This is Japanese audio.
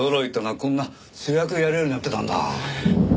こんな主役やるようになってたんだ。